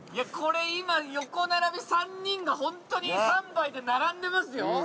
これ今横並び３人がホントに３杯で並んでますよ。